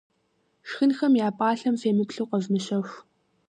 Шхынхэм я пӏалъэм фемыплъу къэвмыщэху.